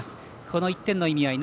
この１点の意味合い